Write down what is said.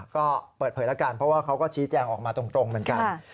ก็เปิดเผยแล้วกันเพราะว่าเขาก็ชี้แจงออกมาตรงเหมือนกัน